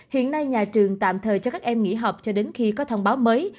hiện nay nhà trường tạm thời cho các em nghỉ học cho đến khi có thông báo mới